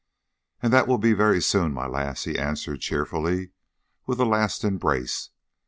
"And that will be very soon, my lass," he answered cheerfully, with a last embrace.